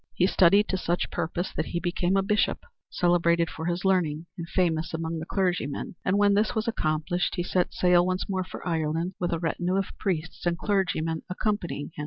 He studied to such purpose that he became a Bishop, celebrated for his learning and famous among the clergymen; and when this was accomplished he set sail once more for Ireland with a retinue of priests and clergymen accompanying him.